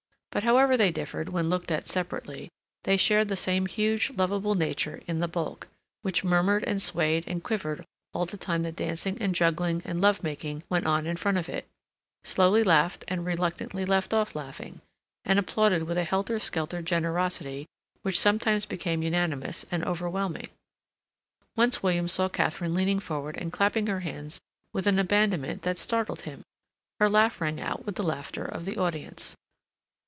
But, however they differed when looked at separately, they shared the same huge, lovable nature in the bulk, which murmured and swayed and quivered all the time the dancing and juggling and love making went on in front of it, slowly laughed and reluctantly left off laughing, and applauded with a helter skelter generosity which sometimes became unanimous and overwhelming. Once William saw Katharine leaning forward and clapping her hands with an abandonment that startled him. Her laugh rang out with the laughter of the audience.